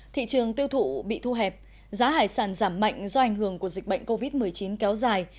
thị trường tiêu thụ bị thu hẹp giá hải sản giảm mạnh do ảnh hưởng của dịch bệnh covid một mươi chín kéo dài